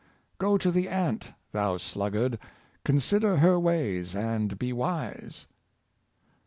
" Go to the ant, thou sluggard; consider her ways, and be wise."